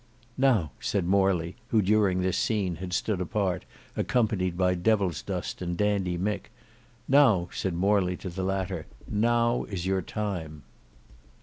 "Now," said Morley who during this scene had stood apart accompanied by Devilsdust and Dandy Mick. "Now," said Morley to the latter, "now is your time."